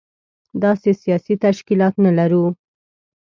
داسې سياسي تشکيلات نه لرو.